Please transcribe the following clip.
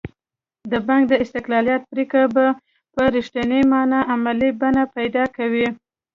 د بانک د استقلالیت پرېکړه به په رښتینې معنا عملي بڼه پیدا کوي.